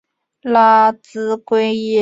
拉兹奎耶。